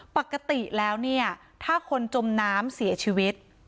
ปกติแล้วเนี่ยถ้าคนจมน้ำเสียชีวิต